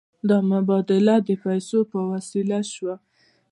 دا مبادله د پیسو په وسیله وشوه.